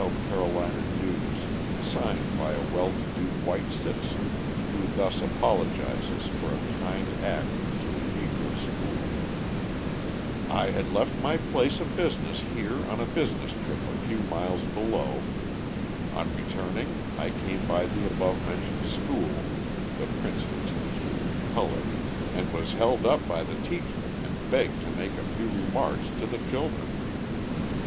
C., News, signed by a well to do white citizen who thus apologises for a kind act to a Negro school: I had left my place of business here on a business trip a few miles below, on returning I came by the above mentioned school (the Prince Institute, coloured), and was held up by the teacher and begged to make a few remarks to the children.